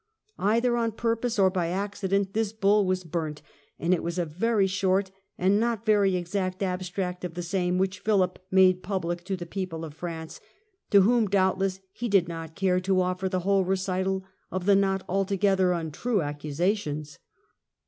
Either on purpose or by accident this Bull was burnt, and it was a very short and not very exact abstract of the same which Philip made public to the people of France, to whom doubtless he did not care to offer the whole recital of the not altogether untrue accusations.